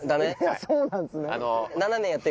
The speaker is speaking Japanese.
そうなんすね。